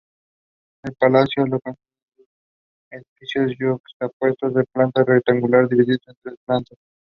El palacio lo constituyen dos edificios yuxtapuestos de planta rectangular divididos en tres plantas.